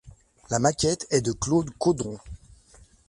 La maquette est de Claude Caudron.